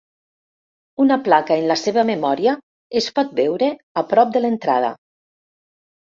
Una placa en la seva memòria es pot veure a prop de l'entrada.